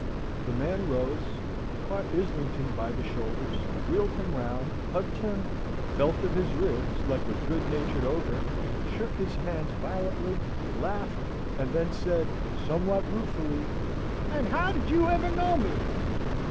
The man rose, caught Islington by the shoulders, wheeled him round, hugged him, felt of his ribs like a good natured ogre, shook his hands violently, laughed, and then said, somewhat ruefully, "And how ever did you know me?"